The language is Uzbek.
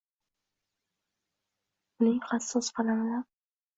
Uning hassos qalamidan